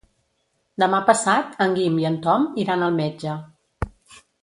Demà passat en Guim i en Tom iran al metge.